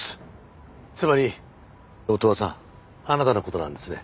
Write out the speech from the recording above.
つまり乙羽さんあなたの事なんですね？